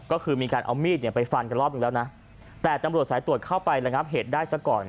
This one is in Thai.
ก็คือมีการเอามีดเนี่ยไปฟันกันรอบหนึ่งแล้วนะแต่ตำรวจสายตรวจเข้าไประงับเหตุได้ซะก่อน